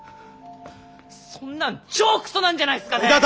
そんなん超クソなんじゃないすかね！？